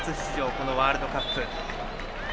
このワールドカップ。